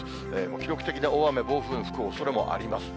記録的な大雨、暴風の吹くおそれもあります。